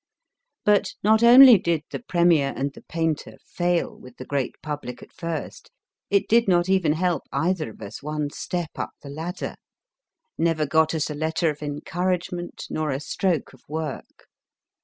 But not only did The Pre mier and the Painter fail with the great public at first, it did not even help either of us one step up the ladder ; never got us a letter of encouragement nor a stroke of work.